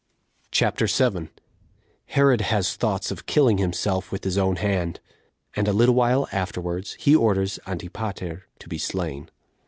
CHAPTER 7. Herod Has Thoughts Of Killing Himself With His Own Hand; And A Little Afterwards He Orders Antipater To Be Slain.